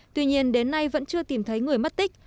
tuy nhiên đến nay vẫn chưa tìm thấy người mất tích